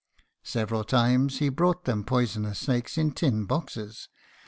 Several times he brought them poisonous snakes in tin boxes.